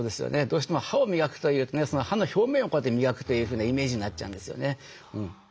どうしても歯を磨くというとね歯の表面をこうやって磨くというふうなイメージになっちゃうんですよね。